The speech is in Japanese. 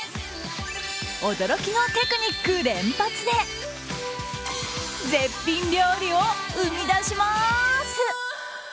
驚きのテクニック連発で絶品料理を生み出します。